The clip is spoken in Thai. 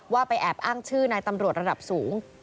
ไปแอบอ้างชื่อนายตำรวจระดับสูง